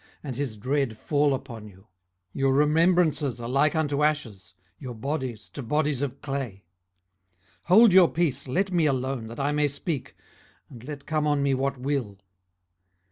and his dread fall upon you? 18:013:012 Your remembrances are like unto ashes, your bodies to bodies of clay. 18:013:013 Hold your peace, let me alone, that I may speak, and let come on me what will.